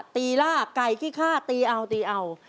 ตีลากไก่ขี้ฆ่าตีเอาตีเอา